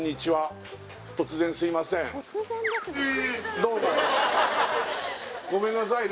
どうもごめんなさいね